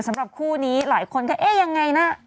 สำหรับคู่นี้หลายคนก็เอ๊ะยังไงนะ